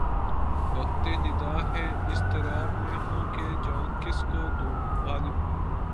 وقت نِدا ہے اضطراب میں ہوں کہ جان کس کو دوں غالب